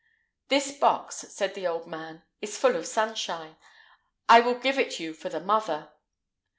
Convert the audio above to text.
"This box," said the old man, "is full of sunshine; I will give it you for the mother."